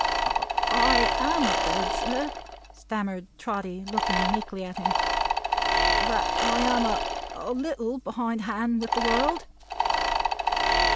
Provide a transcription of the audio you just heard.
"I am afraid, sir," stammered Trotty, looking meekly at him, "that I am a a little behind hand with the world."